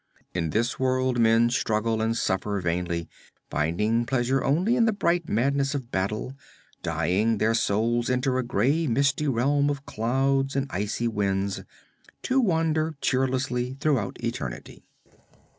'In this world men struggle and suffer vainly, finding pleasure only in the bright madness of battle; dying, their souls enter a gray misty realm of clouds and icy winds, to wander cheerlessly throughout eternity.'